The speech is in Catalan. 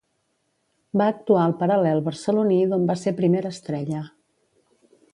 Va actuar al Paral·lel barceloní d'on va ser primera estrella.